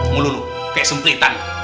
mulung lu kayak semplitan